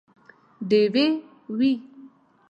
ډیوې وي